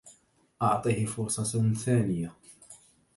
اعطه فرصة ثانية.